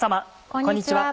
こんにちは。